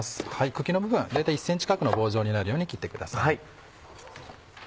茎の部分大体１ｃｍ角の棒状になるように切ってください。